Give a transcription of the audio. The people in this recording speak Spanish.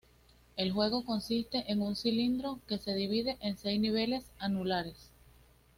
El juego consiste en un cilindro, que se divide en seis niveles anulares.